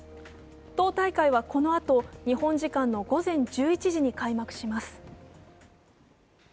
党大会はこのあと、日本時間の午前１１時に開幕します。